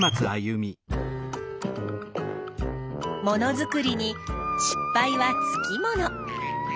ものづくりに失敗はつきもの。